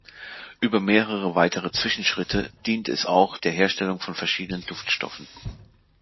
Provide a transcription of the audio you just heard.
Über mehrere weitere Zwischenschritte dient es auch der Herstellung von verschiedenen Duftstoffen.